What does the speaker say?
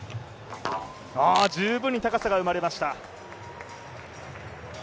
ああ、十分に高さが生まれました。